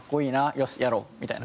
よしやろう！みたいな。